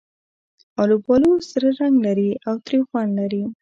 آلوبالو سره رنګ لري او تریو خوند لري.